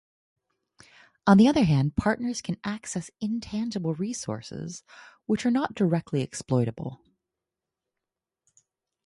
On the other hand, partners can access intangible resources, which are not directly exploitable.